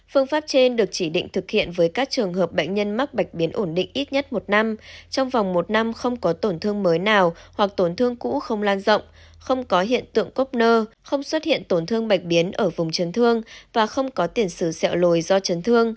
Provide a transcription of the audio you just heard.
phương pháp trên được chỉ định thực hiện với các trường hợp bệnh nhân mắc bệnh biến ổn định ít nhất một năm trong vòng một năm không có tổn thương mới nào hoặc tổn thương cũ không lan rộng không có hiện tượng cốc nơ không xuất hiện tổn thương bạch biến ở vùng chấn thương và không có tiền sử xẹo lồi do chấn thương